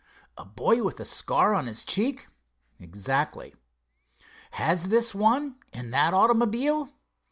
"A boy with a scar on his cheek?" "Exactly." "Has this one, in that automobile?"